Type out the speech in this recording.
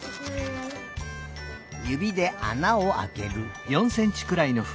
ゆびであなをあける。